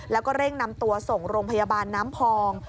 แล้วก็เร่งนำตัวส่งโรงพยาบาลน้ำพอง